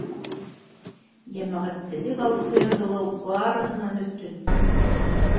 Йәмәғәтселек алдында язалау барыһынан өҫтөн.